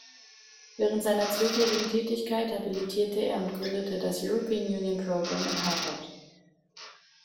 Während seiner zwölfjährigen Tätigkeit habilitierte er und gründete das "European Union Program" in Harvard.